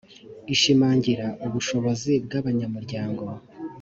ishimangira ubushobozi bw abanyamurya ngo